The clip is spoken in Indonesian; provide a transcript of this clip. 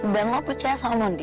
dan lo percaya sama mondi